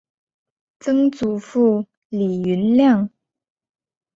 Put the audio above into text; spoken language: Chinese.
曾祖父李均亮。